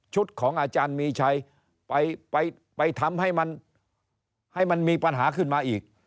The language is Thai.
ของอาจารย์มีชัยไปทำให้มันให้มันมีปัญหาขึ้นมาอีก